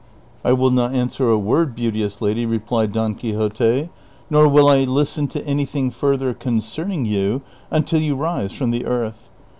" I will not answer a word, beauteous lady," replied Don Quixote, " nor will I listen to anything further concerning you, until you rise from the earth."